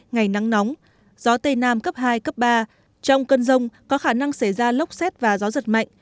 ngày nắng nóng gió tây nam cấp hai cấp ba trong cơn rông có khả năng xảy ra lốc xét và gió giật mạnh